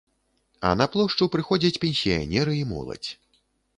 А на плошчу прыходзяць пенсіянеры і моладзь.